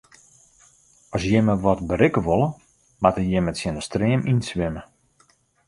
As jimme wat berikke wolle, moatte jimme tsjin de stream yn swimme.